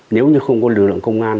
nếu như không có lực lượng công an